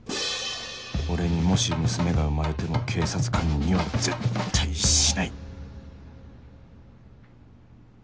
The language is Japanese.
俺にもし娘が生まれても警察官には絶対しない！